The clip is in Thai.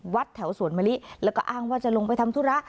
วัดแถวสวนมะลิแล้วก็อ้างว่าจะลงไปทำธุระ